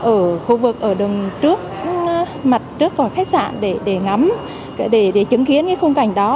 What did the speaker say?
ở khu vực ở đường trước mặt trước khỏi khách sạn để ngắm để chứng kiến cái khung cảnh đó